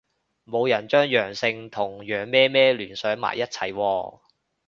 冇人將陽性同羊咩咩聯想埋一齊喎